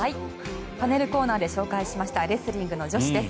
パネルコーナーで紹介しましたレスリングの女子です。